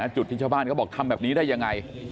จุดที่ชาวบ้านเขาบอกทำแบบนี้ได้ยังไง